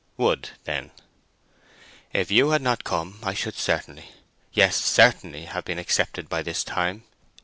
"Would, then." "If you had not come I should certainly—yes, certainly—have been accepted by this time.